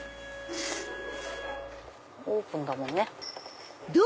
オープンだもんね。